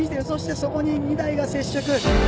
そしてそこに２台が接触！